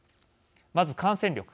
まず感染力。